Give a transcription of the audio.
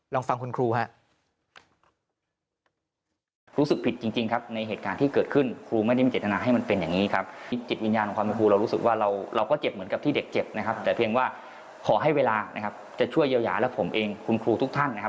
ลองฟังคุณครูครับ